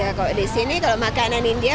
ya kalau di sini kalau aliran indian